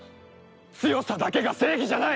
強さだけが正義じゃない！